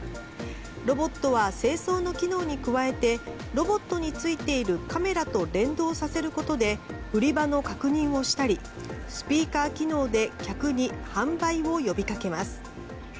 ロボットは清掃の機能に加えてロボットについているカメラと連動させることで売り場の確認をしたりスピーカー機能で客に販売を呼びかけます。